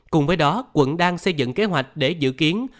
cùng với đó quận đang xây dựng kế hoạch để dự kiến